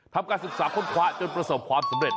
ทำการศึกษาค้นคว้าจนประสบความสำเร็จ